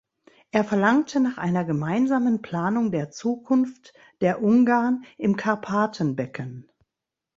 Er verlangte nach einer gemeinsamen Planung der Zukunft der Ungarn im Karpatenbecken.